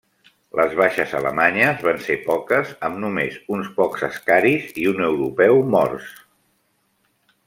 Les baixes alemanyes van ser poques, amb només uns pocs àscaris i un europeu morts.